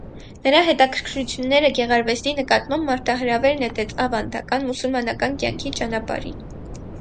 Նրա հետաքրքրություները գեղարվեստի նկատմամբ մարտահրավեր նետեց ավանդական, մուսուլմանական կյանքի ճանապարհին։